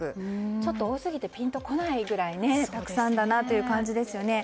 ちょっと多すぎてピンと来ないぐらいたくさんだなという感じですよね。